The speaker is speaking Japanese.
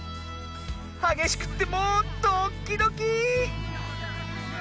はげしくってもうドッキドキー！